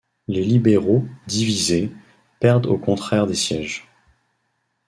Les libéraux, divisés, perdent au contraire des sièges.